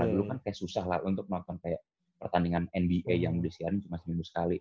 dulu kan kayak susah lah untuk nonton kayak pertandingan nba yang udah siang cuma seminggu sekali